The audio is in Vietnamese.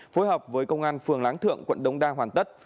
phối hợp với công an phường láng thượng quận đông đa hoàn tất